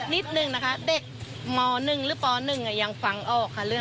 มีความว่ายังไง